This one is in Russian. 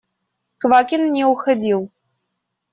Квакин не уходил.